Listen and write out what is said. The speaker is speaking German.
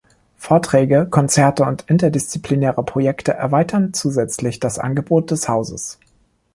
Vorträge, Konzerte und interdisziplinäre Projekte erweitern zusätzlich das Angebot des Hauses.